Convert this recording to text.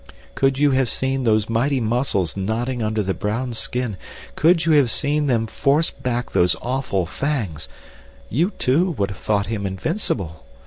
"Could you have seen those mighty muscles knotting under the brown skin—could you have seen them force back those awful fangs—you too would have thought him invincible.